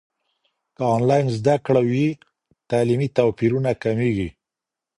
که انلاین زده کړه وي، تعلیمي توپیرونه کمېږي.